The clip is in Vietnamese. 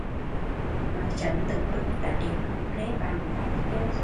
Mới sớm tửng bửng đã đến rủ rê bạn gái đi chơi